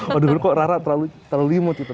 waduh kok rara terlalu terlimut gitu